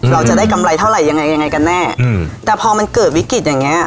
เราจะได้กำไรเท่าไหร่ยังไงยังไงกันแน่อืมแต่พอมันเกิดวิกฤตอย่างเงี้